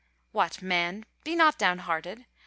What, man! be not downhearted!